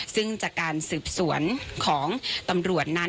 ซึ่งจากการสืบสวนของตำรวจนั้น